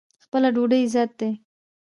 خپله ډوډۍ عزت دی.